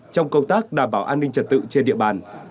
trong công tác đảm bảo an ninh trật tự trên địa bàn